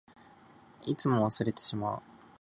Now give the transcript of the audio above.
いつも忘れてしまう。